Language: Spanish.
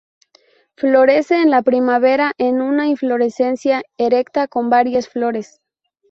Florece en la primavera en una inflorescencia erecta con varias flores.